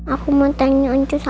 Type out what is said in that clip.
aku mau tanya njus aja